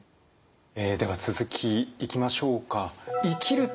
えでは続きいきましょうか。